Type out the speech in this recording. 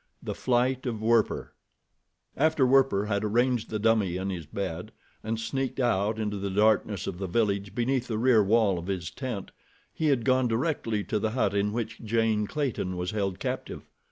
The Flight of Werper After Werper had arranged the dummy in his bed, and sneaked out into the darkness of the village beneath the rear wall of his tent, he had gone directly to the hut in which Jane Clayton was held captive.